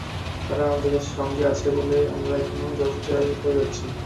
তাঁরা আমাদের সঙ্গে আছে বলেই আমরা এখনো চলচ্চিত্রে কাজ করে যাচ্ছি।